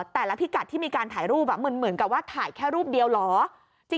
พิกัดที่มีการถ่ายรูปเหมือนกับว่าถ่ายแค่รูปเดียวเหรอ